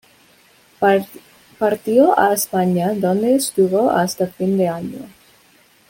Partió a España, donde estuvo hasta fin de año.